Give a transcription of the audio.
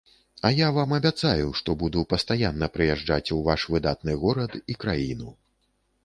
А я вам абяцаю, што буду пастаянна прыязджаць у ваш выдатны горад і краіну.